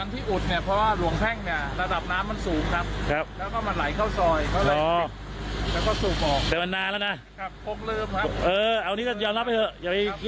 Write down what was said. ตอนนั้นที่อุดเพราะว่าหลวงแพ่ง